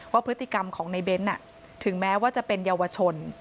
พฤติกรรมของในเบ้นถึงแม้ว่าจะเป็นเยาวชน